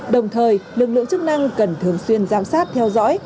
đồng thời lực lượng chức năng cần thường xuyên giám sát theo dõi